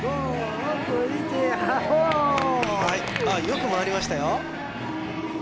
はいよく回りましたよ